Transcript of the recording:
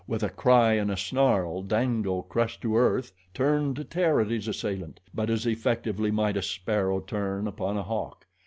With a cry and a snarl, Dango, crushed to earth, turned to tear at his assailant; but as effectively might a sparrow turn upon a hawk.